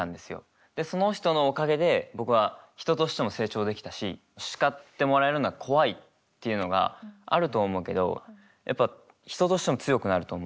でその人のおかげで僕は人としても成長できたし叱ってもらえるのは怖いっていうのがあるとは思うけどやっぱ人としても強くなると思うから。